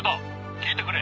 聞いてくれ。